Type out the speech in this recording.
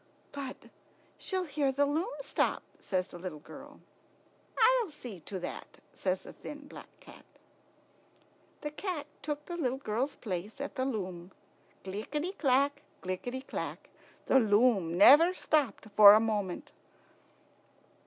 "But she'll hear the loom stop," says the little girl. "I'll see to that," says the thin black cat. The cat took the little girl's place at the loom. Clickety clack, clickety clack; the loom never stopped for a moment.